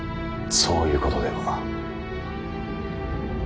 そういうことでは。